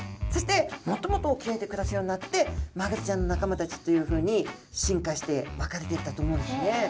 そしてもっともっと沖合で暮らすようになってマグロちゃんの仲間たちっていうふうに進化して分かれていったと思うんですね。